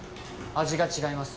味が違います